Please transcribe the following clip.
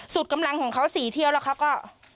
สุดกำลังของเค้าสี่เที่ยวแล้วเค้าก็